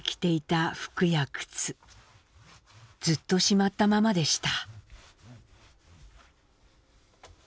ずっとしまったままでした。